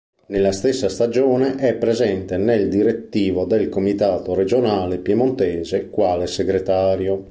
Nella stessa stagione è presente nel direttivo del Comitato Regionale Piemontese quale segretario.